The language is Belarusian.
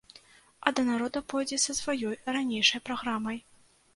А да народа пойдзе са сваёй ранейшай праграмай.